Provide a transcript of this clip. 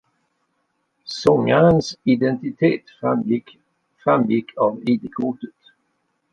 Sångarens identitet framgick av id-kortet